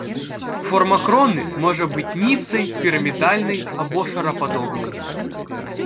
Форма кроны можа быць ніцай, пірамідальнай або шарападобнай.